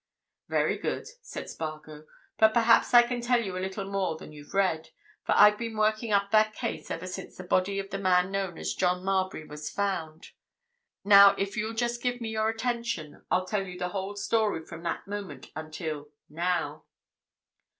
"Very good," said Spargo. "But perhaps I can tell you a little more than you've read, for I've been working up that case ever since the body of the man known as John Marbury was found. Now, if you'll just give me your attention, I'll tell you the whole story from that moment until—now."